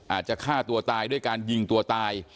อาจจะฆ่าตัวตายด้วยการยิงตัวตาย